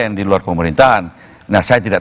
yang di luar pemerintahan nah saya tidak